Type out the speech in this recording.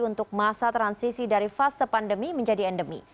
untuk masa transisi dari fase pandemi menjadi endemi